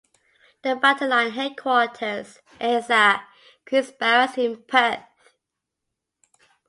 The battalion headquarters is at Queen's Barracks in Perth.